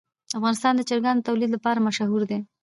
افغانستان د چرګانو د تولید لپاره مشهور دی.